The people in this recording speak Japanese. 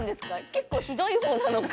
結構ひどい方なのか。